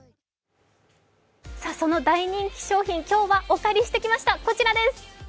その大人気商品、今日はお借りしてきました、こちらです。